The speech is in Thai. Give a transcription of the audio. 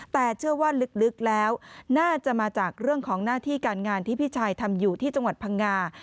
แต่เชื่อว่าลึกแล้วน่าจะมาจากเรื่องของหน้าที่การงานที่พี่ชายทำอยู่ที่จังหวัดพังงา